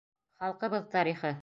Халҡыбыҙ тарихы!